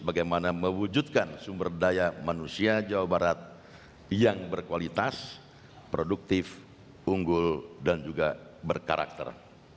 bagaimana mewujudkan sumber daya manusia jawa barat yang berkualitas produktif unggul dan juga berkarakter